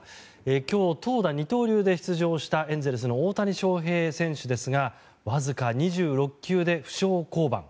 今日、投打二刀流で出場したエンゼルスの大谷翔平選手ですがわずか２６球で負傷降板。